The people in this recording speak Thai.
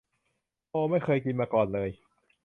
โอว ไม่เคยกินมาก่อนเลย